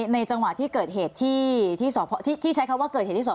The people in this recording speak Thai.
ในจังหวะที่เกิดเหตุที่ใช้คำว่าเกิดเหตุที่๒